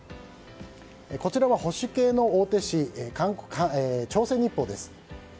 こちらは保守系の大手紙朝鮮日報です。